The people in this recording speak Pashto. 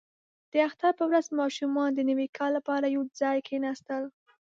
• د اختر په ورځ ماشومان د نوي کال لپاره یو ځای کښېناستل.